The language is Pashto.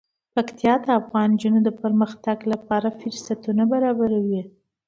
پکتیا د افغان نجونو د پرمختګ لپاره فرصتونه برابروي.